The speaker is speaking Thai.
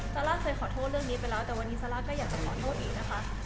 ซาร่าเคยขอโทษเรื่องนี้ไปแล้วแต่วันนี้ซาร่าก็อยากจะขอโทษอีกนะคะ